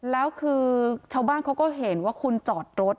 แล้วคือชาวบ้านเขาก็เห็นว่าคุณจอดรถ